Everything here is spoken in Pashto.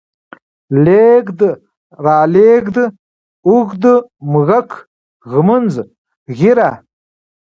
لېږد، رالېږد، اوږد، موږک، ږمنځ، ږيره